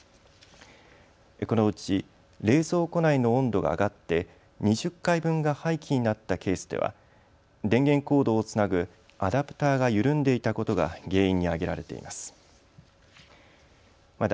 このうち冷蔵庫内の温度が上がって２０回分が廃棄になったケースでは電源コードをつなぐアダプターが緩んでいたことが原因に挙げられています。